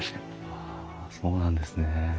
ああそうなんですね。